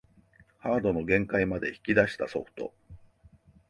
ハードの限界まで引き出したソフト